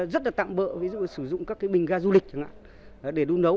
rất là tạm bỡ ví dụ là sử dụng các cái bình ga du lịch để đun nấu